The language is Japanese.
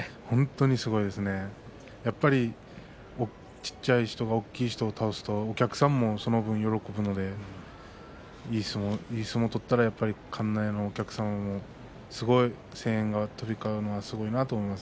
小さい人が大きい人を倒すとお客さんもその分、喜ぶのでいい相撲を取ったらやっぱり館内のお客さんすごい声援が飛び交うのがすごいなと思います。